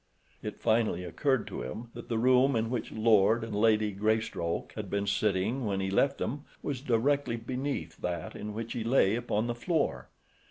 It finally occurred to him that the room in which Lord and Lady Greystoke had been sitting when he left them was directly beneath that in which he lay upon the floor.